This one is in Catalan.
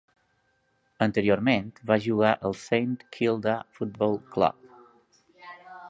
Anteriorment va jugar al Saint Kilda Football Club.